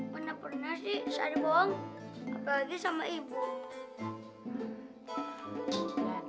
mana pernah sih saya di bawang bagi sama ibu